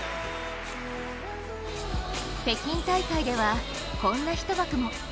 北京大会では、こんな一幕も。